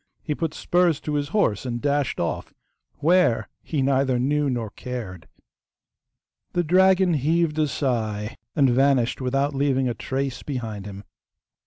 He put spurs to his horse and dashed off, WHERE he neither knew nor cared. The dragon heaved a sigh and vanished without leaving a trace behind him.